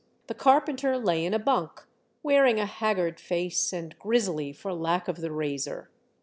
The carpenter lay in a bunk, wearing a haggard face, and grizzly for lack of the razor.